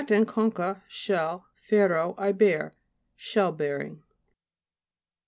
concha, shell, fero, I bear. Shell bearing.